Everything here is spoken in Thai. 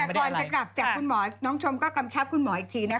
แต่ก่อนจะกลับจากคุณหมอน้องชมก็กำชับคุณหมออีกทีนะคะ